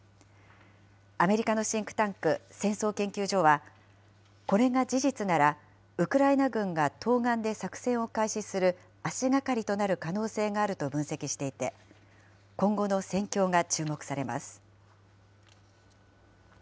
アメリカのシンクタンク、戦争研究所は、これが事実なら、ウクライナ軍が東岸で作戦を開始する足がかりとなる可能性があると分析していて、今後の戦況が注目されます。